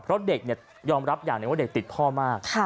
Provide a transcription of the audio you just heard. เพราะเด็กยอมรับอย่างหนึ่งว่าเด็กติดพ่อมาก